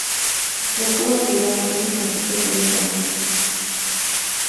De Cuba Miguel Antonio Fonseca y Julio Camejo.